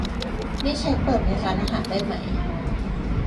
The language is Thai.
นี่ใช้เปิดในร้านอาหารได้ไหม ?